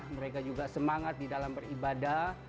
mereka juga semangat di dalam beribadah